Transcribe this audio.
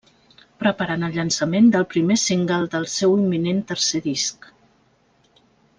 Preparen el llançament del primer single del seu imminent tercer disc.